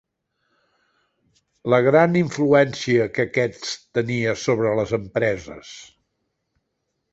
La gran influència que aquest tenia sobre les empreses